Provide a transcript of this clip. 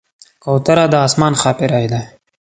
کوتره د آسمان ښاپېرۍ ده.